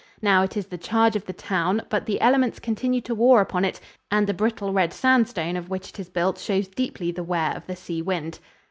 Now it is the charge of the town, but the elements continue to war upon it and the brittle red sandstone of which it is built shows deeply the wear of the sea wind.